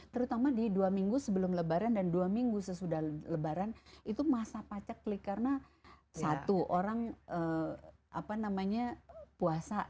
terutama di dua minggu sebelum lebaran dan dua minggu sesudah lebaran itu masa paceklik karena satu orang puasa